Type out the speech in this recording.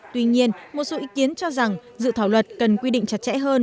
tuy nhiên một số ý kiến cho rằng dự thảo luật cần quy định chặt chẽ hơn